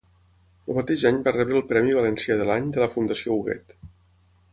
El mateix any va rebre el Premi Valencià de l'Any de la Fundació Huguet.